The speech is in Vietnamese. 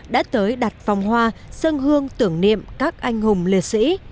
đã tới đặt vòng hoa sân hương tưởng niệm các anh hùng liệt sĩ